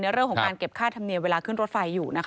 เรื่องของการเก็บค่าธรรมเนียมเวลาขึ้นรถไฟอยู่